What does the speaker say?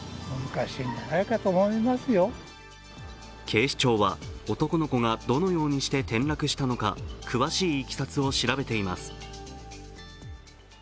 警視庁は男の子がどのようにして転落したのか詳しいいきさつを調べています。